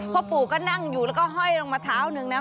พ่อปู่ก็นั่งอยู่แล้วก็ห้อยลงมาเท้าหนึ่งนะ